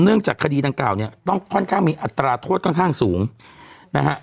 จากคดีดังกล่าวเนี่ยต้องค่อนข้างมีอัตราโทษค่อนข้างสูงนะฮะ